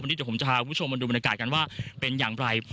วันนี้เดี๋ยวผมจะพาคุณผู้ชมมาดูบรรยากาศกันว่าเป็นอย่างไร